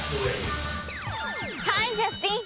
ハーイジャスティン！